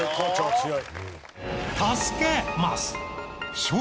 強い。